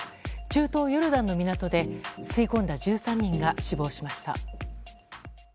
中東ヨルダンの港で吸い込んだ１３人が死亡しました。